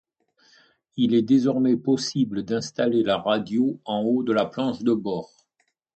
Il est désormais possible d'installer la radio en haut de la planche de bord.